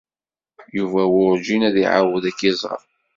Yuba werǧin ad iɛawed ad k-iẓer.